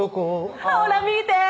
「ほら見て」